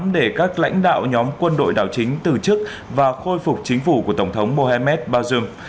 để các lãnh đạo nhóm quân đội đảo chính từ chức và khôi phục chính phủ của tổng thống mohamed bazoum